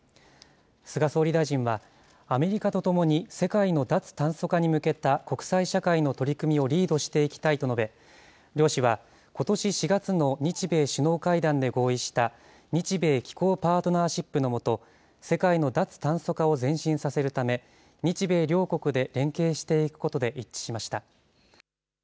菅総理大臣は、アメリカとともに世界の脱炭素化に向けた国際社会の取り組みをリードしていきたいと述べ、両氏は、ことし４月の日米首脳会談で合意した日米気候パートナーシップの下、世界の脱炭素化を前進させるため、日米両国で連携していくことで一致しました。